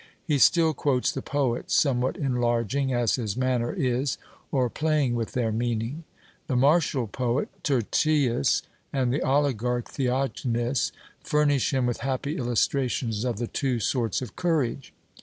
He still quotes the poets, somewhat enlarging, as his manner is, or playing with their meaning. The martial poet Tyrtaeus, and the oligarch Theognis, furnish him with happy illustrations of the two sorts of courage.